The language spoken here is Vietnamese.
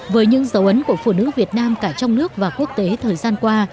với những dấu ấn của phụ nữ việt nam cả trong nước và quốc tế thời gian qua